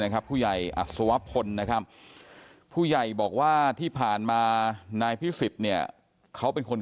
คุยกันอะไรไหม